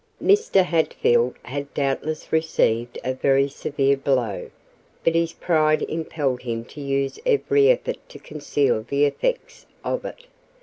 Mr. Hatfield had doubtless received a very severe blow; but his pride impelled him to use every effort to conceal the effects of it.